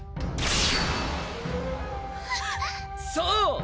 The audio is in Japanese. そう！